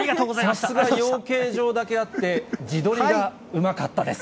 さすが養鶏場だけあって、じどりがうまかったです。